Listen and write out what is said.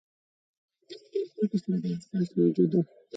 پایتخت کې له خلکو سره دا احساس موجود وو.